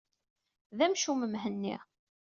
D amcum, Mhenni.